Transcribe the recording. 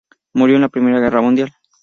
Murió en la Primera Guerra Mundial.